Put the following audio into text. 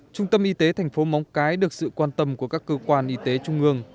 trung tâm y tế tp móng cái được sự quan tâm của các cơ quan y tế trung ương